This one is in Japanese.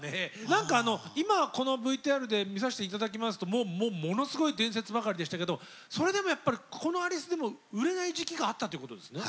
何か今このＶＴＲで見させて頂きますともうものすごい伝説ばかりでしたけどそれでもやっぱりこのアリスでも売れない時期があったということですね。